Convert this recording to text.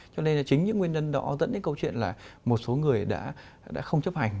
cho nên là chính những nguyên nhân đó dẫn đến câu chuyện là một số người đã không chấp hành